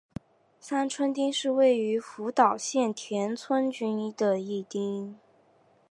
三春町是位于福岛县田村郡的一町。